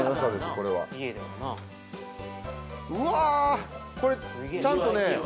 これはうわこれちゃんとね